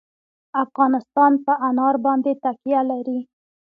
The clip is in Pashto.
افغانستان په انار باندې تکیه لري.